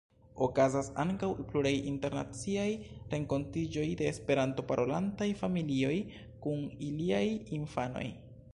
Okazas ankaŭ pluraj internaciaj renkontiĝoj de Esperanto-parolantaj familioj kun iliaj infanoj.